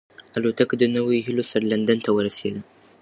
الوتکه د نویو هیلو سره لندن ته ورسېده.